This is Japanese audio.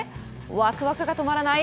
ワクワクが止まらない